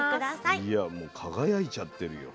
いやもう輝いちゃってるよ。